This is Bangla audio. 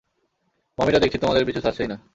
মমিরা দেখছি তোমাদের পিছু ছাড়ছেই না!